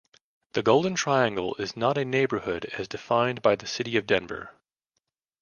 The Golden Triangle is not a neighborhood as defined by the city of Denver.